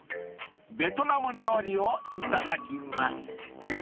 ［ベトナム料理を頂きます］